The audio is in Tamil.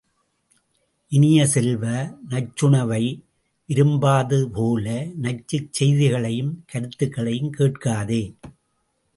இனிய செல்வ, நச்சுணவை விரும்பாததுபோல, நச்சுச் செய்திகளையும் கருத்துக்களையும் கேட்காதே!